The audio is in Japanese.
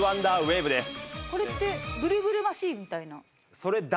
これってブルブルマシンみたいな？